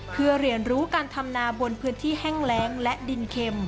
เพื่อเรียนรู้การทำนาบนพื้นที่แห้งแรงและดินเข็ม